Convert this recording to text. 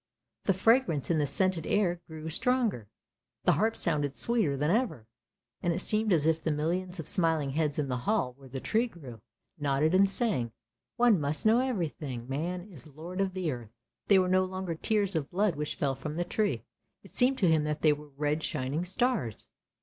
The fragrance in the scented air around grew stronger, the harps sounded sweeter than ever, and it seemed as if the millions of smiling heads in the hall where the Tree grew, nodded and sang, " One must know everything. Man is lord of the earth." They were no longer tears of blood which fell from the Tree, it seemed to him that they were red shining stars.